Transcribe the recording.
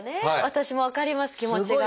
私も分かります気持ちが。